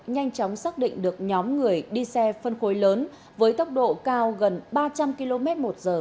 nhanh chóng xác định được nhóm người đi xe phân khối lớn với tốc độ cao gần ba trăm linh km một giờ